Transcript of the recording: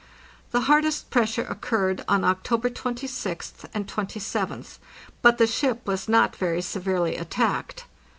The hardest pressure occurred on October 26th and 27th, but the ship was not very severely at tacked.